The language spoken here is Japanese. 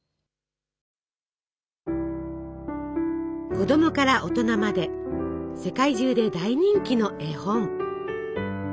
子供から大人まで世界中で大人気の絵本。